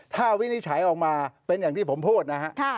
ถ้าวินิจฉัยออกมาเป็นอย่างที่ผมพูดนะฮะ